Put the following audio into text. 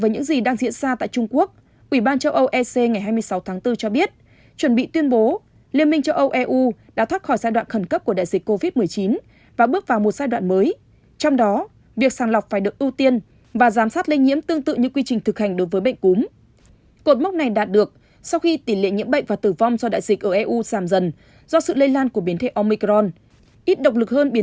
hãy đăng ký kênh để ủng hộ kênh của chúng mình nhé